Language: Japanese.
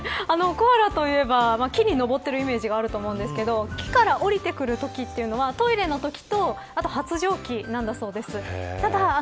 コアラといえば、木に上っているイメージがあると思うんですけど、木から降りてくるときというのはトイレのときと発情期だそうなんです。